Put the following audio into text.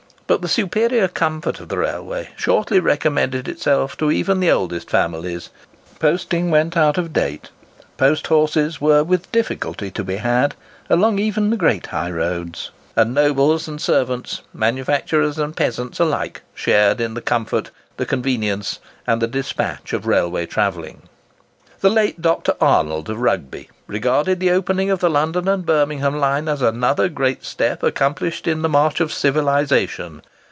But the superior comfort of the railway shortly recommended itself to even the oldest families; posting went out of date; post horses were with difficulty to be had along even the great high roads; and nobles and servants, manufacturers and peasants, alike shared in the comfort, the convenience, and the despatch of railway travelling. The late Dr. Arnold, of Rugby, regarded the opening of the London and Birmingham line as another great step accomplished in the march of civilisation.